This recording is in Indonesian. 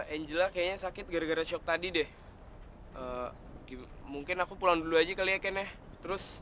angela kayaknya sakit gara gara shock tadi deh mungkin aku pulang dulu aja kali ya ken ya terus